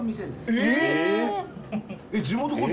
えっ！？